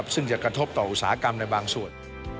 ซึ่งจะกระทบต่ออุตสาหกรรมในบางส่วน